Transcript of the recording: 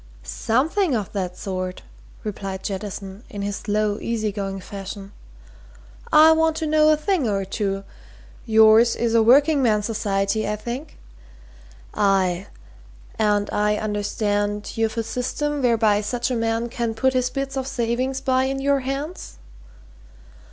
"Something of that sort," replied Jettison in his slow, easy going fashion. "I want to know a thing or two. Yours is a working man's society, I think? Aye and I understand you've a system whereby such a man can put his bits of savings by in your hands?"